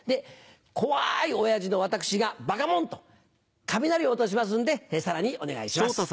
怖い親父の私が「ばかもん！」と雷を落としますんでさらにお願いします。